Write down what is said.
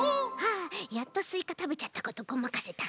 あやっとスイカたべちゃったことごまかせた。